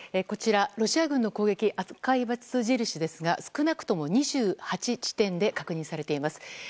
こちら、ロシア軍の攻撃赤いバツ印ですが少なくとも２８地点で確認されています。